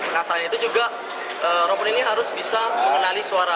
nah selain itu juga robot ini harus bisa mengenali suara